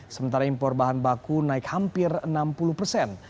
sementara impor bahan baku naik hampir enam puluh persen